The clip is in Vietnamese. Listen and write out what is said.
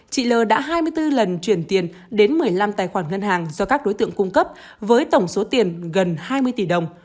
chị l đã hai mươi bốn lần chuyển tiền đến một mươi năm tài khoản ngân hàng do các đối tượng cung cấp với tổng số tiền gần hai mươi tỷ đồng